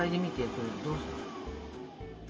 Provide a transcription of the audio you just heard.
それどうさ？